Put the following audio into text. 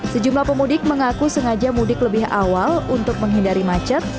sejumlah pemudik mengaku sengaja mudik lebih awal untuk menghindari macet